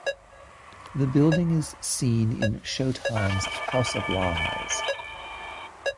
The building is seen in Showtime's "House of Lies".